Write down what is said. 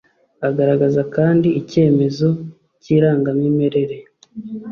agaragaza kandi icyemezo cy irangamimerere